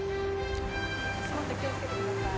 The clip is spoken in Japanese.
足元気を付けてください。